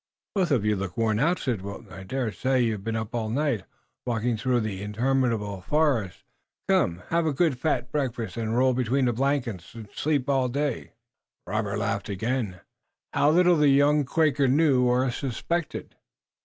"Both of you look worn out," said Wilton. "I dare say you've been up all night, walking through the interminable forest. Come, have a good, fat breakfast, then roll between the blankets and sleep all day long." Robert laughed again. How little the young Quaker knew or suspected!